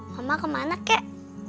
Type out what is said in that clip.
mama kemana kek